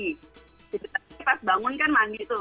tapi pas bangun kan mandi tuh